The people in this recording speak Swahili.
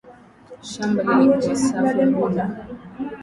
shamba likiwa safi wadudu na magonjwa hupungua